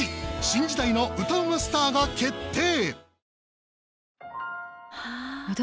新時代の歌うまスターが決定！